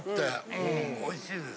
うんおいしいです。